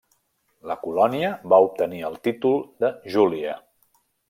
La colònia va obtenir el títol de Júlia.